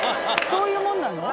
そういうもんなの？